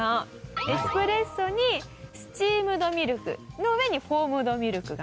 エスプレッソにスチームドミルクの上にフォームドミルクがのっています。